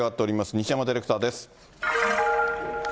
西山ディレクターです。